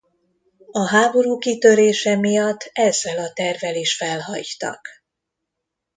A háború kitörése miatt ezzel a tervvel is felhagytak.